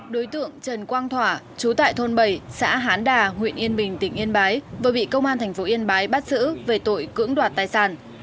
đối tượng trần quang thỏa chú tại thôn bảy xã hán đà huyện yên bình tỉnh yên bái vừa bị công an thành phố yên bái bắt xử về tội cưỡng đoạt tài sản